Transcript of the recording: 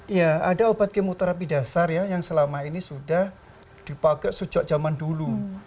iya ada obat kemoterapi dasar ya yang selama ini sudah dipakai sejak zaman dulu